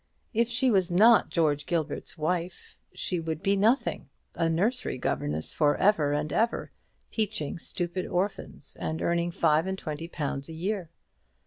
If she was not George Gilbert's wife, she would be nothing a nursery governess for ever and ever, teaching stupid orphans, and earning five and twenty pounds a year.